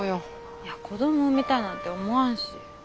いや子供産みたいなんて思わんし。